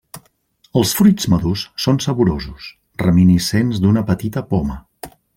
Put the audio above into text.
Els fruits madurs són saborosos, reminiscents d'una petita poma.